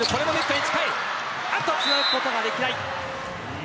つなぐことができない。